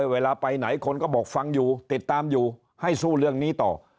เวลาไปไหนคนก็บอกฟังอยู่ติดตามอยู่ให้สู้เรื่องนี้ต่อ